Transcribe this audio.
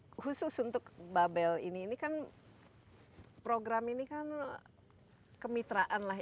khusus untuk babel ini ini kan program ini kan kemitraan lah